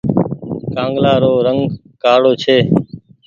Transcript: ڪآنگلآ رو رنگ ڪآڙو ڇي۔